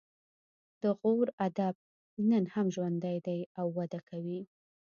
د غور ادب نن هم ژوندی دی او وده کوي